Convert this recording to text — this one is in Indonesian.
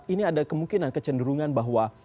ini ada kemungkinan kecenderungan bahwa